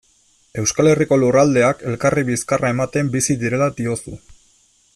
Euskal Herriko lurraldeak elkarri bizkarra ematen bizi direla diozu.